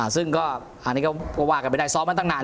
ซึ่งก็อันนี้ก็ว่ากันไปได้ซ้อมมาตั้งนาน